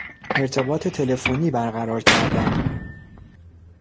ارتباط تلفنی برقرار کردن